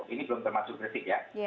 ini belum termasuk kritik ya